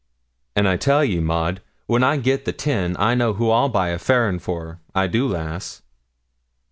'An' I tell ye, Maud, when I git the tin, I know who I'll buy a farin' for. I do, lass.'